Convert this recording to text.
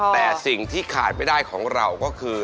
แต่สิ่งที่ขาดไม่ได้ของเราก็คือ